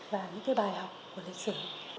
và những cái bài học của lịch sử